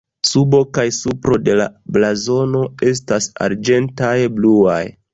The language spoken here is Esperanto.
Subo kaj supro de la blazono estas arĝentaj-bluaj.